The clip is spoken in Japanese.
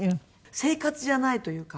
生活じゃないというか。